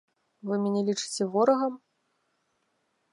Вы мяне лічыце ворагам?